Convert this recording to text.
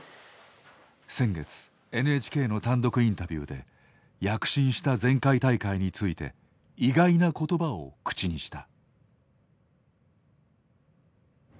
先月ＮＨＫの単独インタビューで躍進した前回大会について意外な言葉を口にした。